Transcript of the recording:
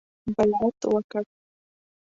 بیعت وکړ.